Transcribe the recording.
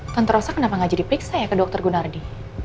tante rosa kenapa gak jadi diperiksa ya ke dokter gunardi